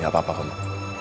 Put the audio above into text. gak apa apa kamu